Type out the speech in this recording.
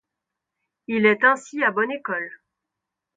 Il est ainsi à bonne école.